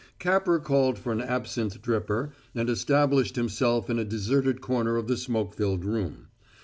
Capper called for an absinth dripper and established himself in a deserted corner of the smoke filled room.